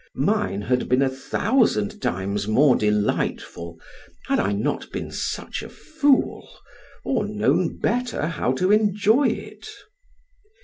mine had been a thousand times more delightful, had I not been such a fool, or known better how to enjoy it.